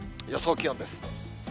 予想気温です。